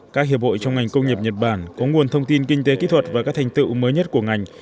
các hiệp hội trong ngành công nghiệp nhật bản có nguồn thông tin kinh tế kỹ thuật và các thành tựu mới nhất của ngành